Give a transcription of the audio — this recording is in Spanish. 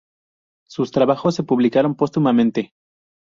Sus trabajos se publicaron póstumamente.